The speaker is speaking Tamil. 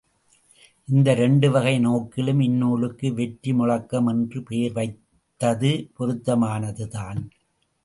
இந்த இரண்டு வகை நோக்கிலும் இந்நூலுக்கு, வெற்றி முழக்கம் என்று பேர் வைத்தது பொருத்தமானதுதான்.